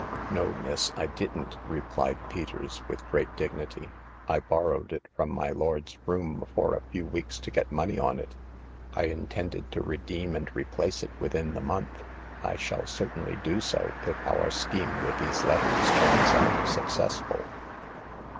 "No miss, I didn't," replied Peters, with great The Ninth Customer. 239 dignity. " I borrowed it from my lord's room for a few weeks to get money on it. I intended to redeem and replace it within the month. I shall certainly do so, if our scheme with these letters turns out successful."